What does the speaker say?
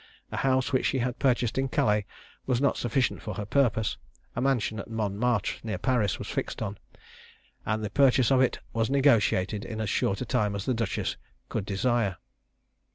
A house which she had purchased at Calais was not sufficient for her purpose; a mansion at Mont Martre, near Paris, was fixed on, and the purchase of it was negotiated in as short a time as the duchess could desire.